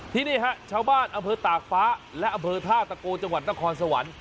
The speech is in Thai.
นี่ฮะชาวบ้านอำเภอตากฟ้าและอำเภอท่าตะโกจังหวัดนครสวรรค์